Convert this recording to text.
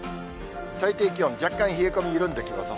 最低気温、若干冷え込み緩んできます。